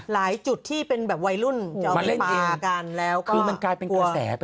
หลายจุดที่เป็นวัยรุ่นได้เอามิลลามันเปล่ากันน่ะ